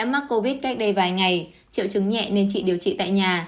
các cô viết cách đây vài ngày triệu chứng nhẹ nên chị điều trị tại nhà